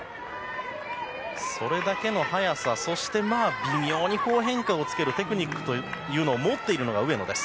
それだけの速さ微妙に変化をつけるテクニックを持っているのが上野です。